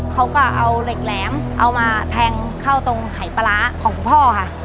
เขาก็เอาเหล็กแหลมเอามาแทงเข้าตรงหายปลาร้าของคุณพ่อค่ะ